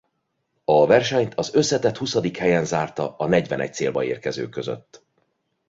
A versenyt az összetett huszadik helyen zárta a negyvenegy célba érkező között.